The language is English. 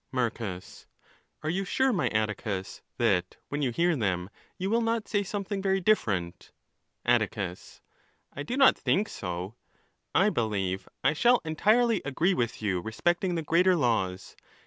Marcus.—Are you sure, my Atticus, that when you hear them, you will not say something very different ? Attieus.—I do not think so! I believe I shall entirely agree with you respecting the greater laws.